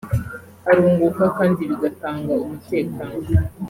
arunguka kandi bigatanga umutekano